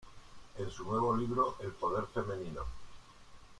En su nuevo libro, “El poder femenino.